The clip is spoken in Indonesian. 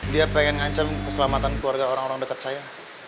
dia pengen ngancam keselamatan keluarga orang orang dekat saya